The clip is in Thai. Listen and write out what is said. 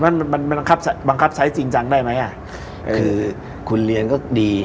มันมันบังคับบังคับใช้จริงจังได้ไหมอ่ะคือคุณเรียนก็ดี